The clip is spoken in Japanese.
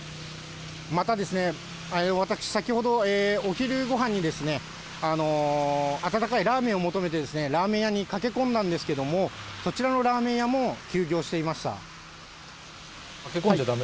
またですね、私、先ほどお昼ごはんに温かいラーメンを求めて、ラーメン屋に駆け込んだんですけれども、そちらのラーメン屋も休業していました。